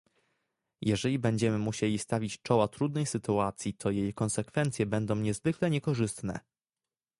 Jeżeli będziemy musieli stawić czoła trudnej sytuacji to jej konsekwencje będą niezwykle niekorzystne